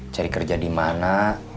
cari kerja di mana